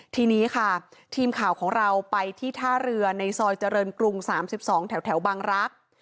ทีนี้ค่ะทีมข่าวของเราไปที่ท่าเรือในซอยเจริญกรุง๓๒แถวบางรักษ์